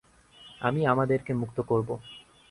আমি আমাদেরকে মুক্ত করব।